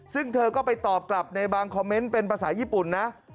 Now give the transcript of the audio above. ซึ่งเธอก็ไปตอบกลับในบางคอมเมนต์เป็นภาษาญี่ปุ่นนะ